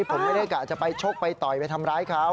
ผมไม่ได้กะจะไปชกไปต่อยไปทำร้ายเขา